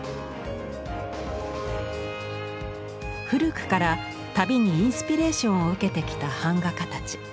古くから「旅」にインスピレーションを受けてきた版画家たち。